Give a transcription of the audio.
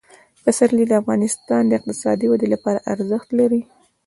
پسرلی د افغانستان د اقتصادي ودې لپاره ارزښت لري.